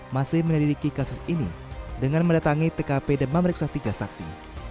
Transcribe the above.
masih meneliti kasus ini dengan mendatangi tkp dan memeriksa tiga saksi